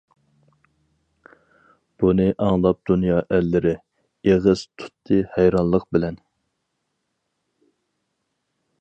بۇنى ئاڭلاپ دۇنيا ئەللىرى، ئېغىز تۇتتى ھەيرانلىق بىلەن.